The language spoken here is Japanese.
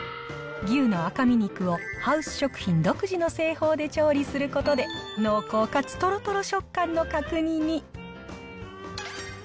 牛の赤身肉をハウス食品独自の製法で調理することで、濃厚かつとろとろ食感の角煮に。